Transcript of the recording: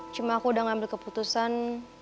cuma aku udah ngambil keputusan